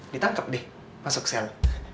ditangkep deh masuk sel